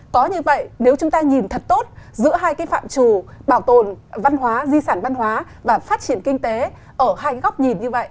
có như vậy nếu chúng ta nhìn thật tốt giữa hai cái phạm trù bảo tồn văn hóa di sản văn hóa và phát triển kinh tế ở hai góc nhìn như vậy